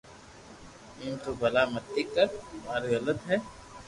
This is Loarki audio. ايم تو ڀلا متي ڪر يار غلط ھي